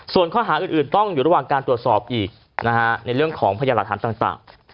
ส่วนข้อหาอื่นต้องอยู่ระหว่างการตรวจสอบอีกนะฮะในเรื่องของพยานหลักฐานต่าง